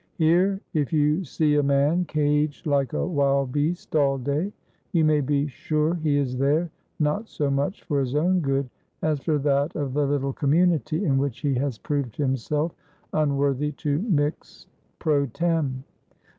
Here, if you see a man caged like a wild beast all day, you may be sure he is there, not so much for his own good as for that of the little community in which he has proved himself unworthy to mix _pro tem.